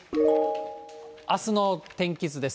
あすの天気図です。